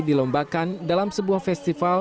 dilombakan dalam sebuah festival